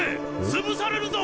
潰されるぞ！